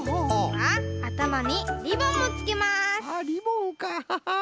あっリボンか。